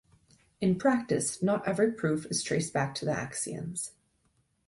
In practice, not every proof is traced back to the axioms.